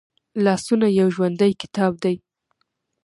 لاسونه یو ژوندی کتاب دی